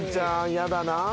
やだな。